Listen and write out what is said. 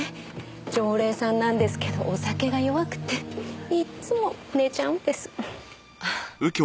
常連さんなんですけどお酒が弱くていっつも寝ちゃうんです。